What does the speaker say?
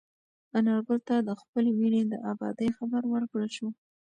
انارګل ته د خپلې مېنې د ابادۍ خبر ورکړل شو.